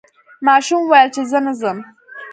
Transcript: ماشوم وویل چې زه نه ځم.